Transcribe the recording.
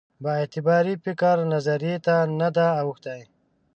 بااعتبارې فکري نظریې ته نه ده اوښتې.